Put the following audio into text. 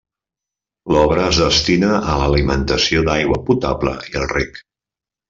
L'obra es destina a l'alimentació d'aigua potable i el rec.